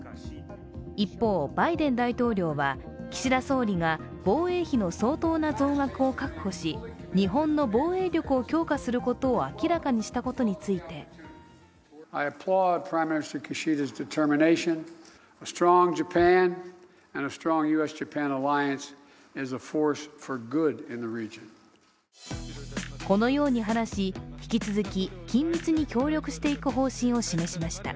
一方、バイデン大統領は岸田総理が防衛費の相当な増額を確保し、日本の防衛力を強化することを明らかにしたことについてこのように話し、引き続き緊密に協力していく方針を示しました。